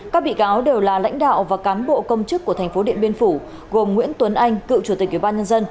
các bị cáo đều là lãnh đạo và cán bộ công chức của tp điện biên phủ gồm nguyễn tuấn anh cựu chủ tịch ubnd